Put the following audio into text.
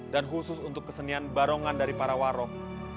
dan khusus untuk kesenian barongan dari para warog